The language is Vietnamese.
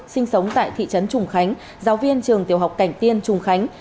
sinh sống tại thị trấn trùng khánh giáo viên trường tiểu học cảnh tiên trùng khánh